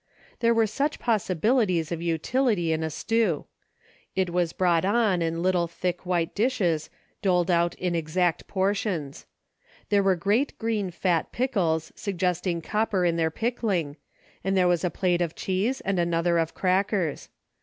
There were such pos sibilities of utility in a stew. It was brought on in little thick white dishes, doled out in exact portions. There were great green fat pickles, suggesting copper in their pickling, and there was a plate of cheese and another of crackers.